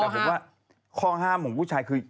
แต่ผมว่าข้อห้ามของผู้ชายคือ